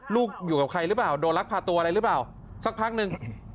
ลูกอยู่กับใครหรือบ้าวดูลักพาตัวอะไรหรือบ้าวสักพักหนึ่ง